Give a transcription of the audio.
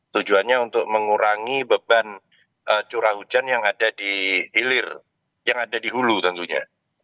tujuannya untuk mengurangi beban curah hujan yang ada di hilir yang ada di hulu tentunya